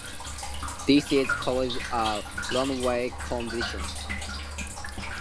This is called a runaway condition.